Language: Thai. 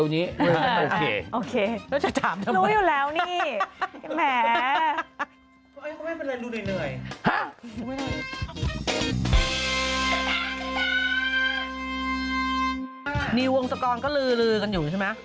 นิววงศกรก็ลือกันอยู่ใช่ไหม